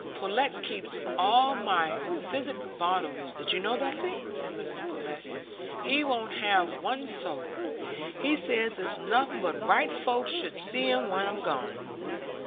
"Pullet keeps all my physic bottles, did you know, Bessy?" said Mrs Pullet. "He won't have one sold. He says it's nothing but right folks should see 'em when I'm gone.